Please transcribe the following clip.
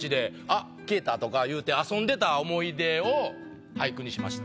あっ消えたとかいうて遊んでた思い出を俳句にしました。